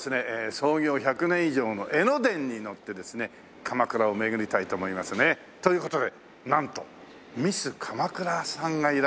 創業１００年以上の江ノ電に乗ってですね鎌倉を巡りたいと思いますね。という事でなんとミス鎌倉さんがいらっしゃってるっていう事で。